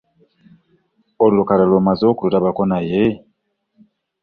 Olukalala omaze okululabako naye?